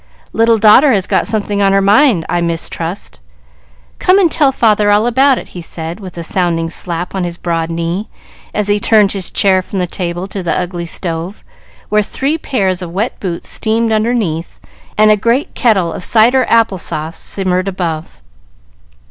"Little daughter has got something on her mind, I mistrust. Come and tell father all about it," he said, with a sounding slap on his broad knee as he turned his chair from the table to the ugly stove, where three pairs of wet boots steamed underneath, and a great kettle of cider apple sauce simmered above.